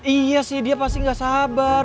iya sih dia pasti gak sabar